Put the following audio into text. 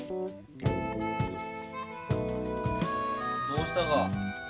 どうしたが？